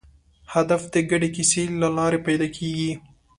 هدف د ګډې کیسې له لارې پیدا کېږي.